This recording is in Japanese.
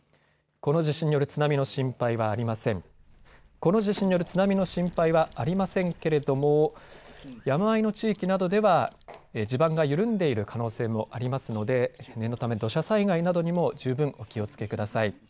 この地震による津波の心配はありませんけれども、山あいの地域などでは地盤が緩んでいる可能性もありますので念のため土砂災害などにも十分お気をつけください。